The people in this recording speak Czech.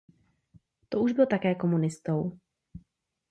To už byl také komunistou.